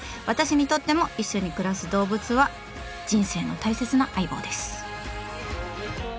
私にとっても一緒に暮らす動物は人生の大切な相棒です。